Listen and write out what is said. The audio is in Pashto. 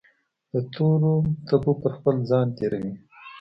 دتورو تبو پرخپل ځان تیروي